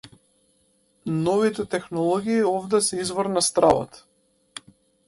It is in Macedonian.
Новите технологии овде се извор на стравот.